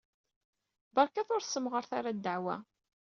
Beṛkat ur ssemɣaret ara ddeɛwa.